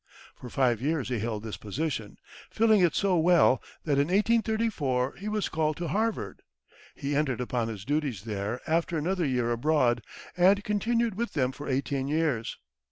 For five years he held this position, filling it so well that in 1834 he was called to Harvard. He entered upon his duties there after another year abroad, and continued with them for eighteen years.